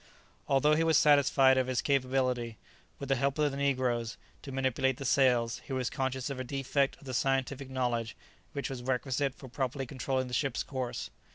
Although he was satisfied of his capability, with the help of the negroes, to manipulate the sails, he was conscious of a defect of the scientific knowledge which was requisite for properly controlling the ship's course.